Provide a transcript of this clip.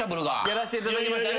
やらしていただきました。